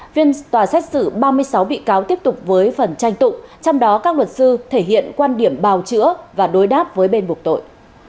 viên tòa xét xử ba mươi sáu bị cáo tiếp tục với phần tranh tụng trong đó các luật sư thể hiện quan điểm bào chữa và đối đáp với bên bục tội